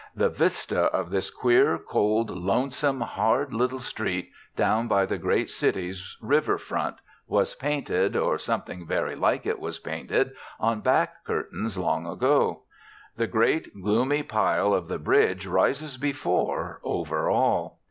The vista of this queer, cold, lonesome, hard little street, down by the great city's river front, was painted, or something very like it was painted, on back curtains long ago. The great, gloomy pile of the Bridge rises before over all.